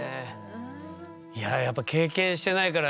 いややっぱ経験してないから